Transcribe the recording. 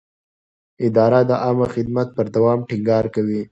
اداره د عامه خدمت پر دوام ټینګار کوي.